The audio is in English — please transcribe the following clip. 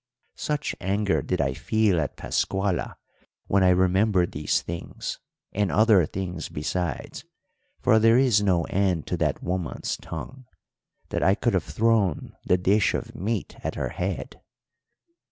"Such anger did I feel at Pascuala when I remembered these things and other things besides, for there is no end to that woman's tongue, that I could have thrown the dish of meat at her head.